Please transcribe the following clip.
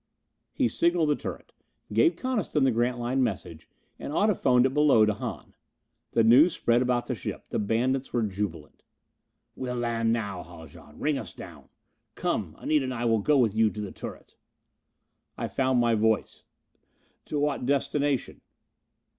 He signaled the turret. Gave Coniston the Grantline message, and audiphoned it below to Hahn. The news spread about the ship. The bandits were jubilant. "We'll land now, Haljan. Ring us down. Come, Anita and I will go with you to the turret." I found my voice. "To what destination?"